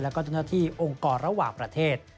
แล้วก็เจ้าหน้าที่องค์กรระหว่างประเทศ